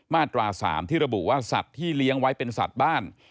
มาตรา๓ที่ระบุว่าสัตว์ที่เลี้ยงไว้เป็นสัตว์บ้าน